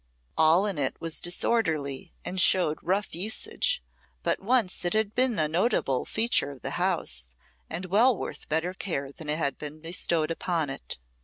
All in it was disorderly and showed rough usage; but once it had been a notable feature of the house, and well worth better care than had been bestowed upon it.